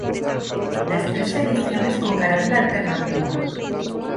Las tres ediciones con carátula alternativa.